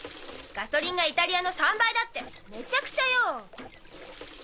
ガソリンがイタリアの３倍だってメチャクチャよ。